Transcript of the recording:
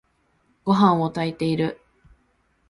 ごはんを炊いている。